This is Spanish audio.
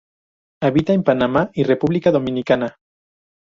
Habita en Panamá y República Dominicana.